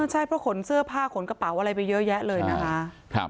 ใช่เพราะขนเสื้อผ้าขนกระเป๋าอะไรไปเยอะแยะเลยนะคะ